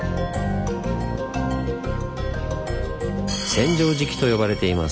「千畳敷」と呼ばれています。